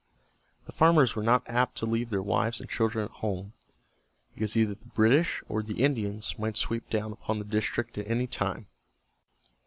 The farmers were not apt to leave their wives and children at home, because either the British or the Indians might sweep down upon the district at any time.